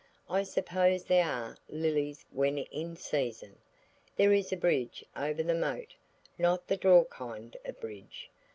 I suppose there are lilies when in season. There is a bridge over the moat–not the draw kind of bridge.